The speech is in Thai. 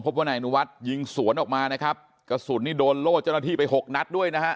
พบว่านายอนุวัฒน์ยิงสวนออกมานะครับกระสุนนี่โดนโล่เจ้าหน้าที่ไปหกนัดด้วยนะฮะ